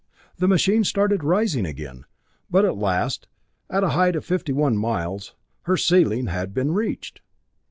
The machine started rising again. But at last, at a height of fifty one miles, her ceiling had been reached.